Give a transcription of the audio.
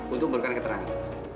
untuk memperlukan keterangan